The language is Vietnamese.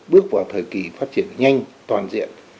bước vào thời kỳ phát triển nhanh toàn diện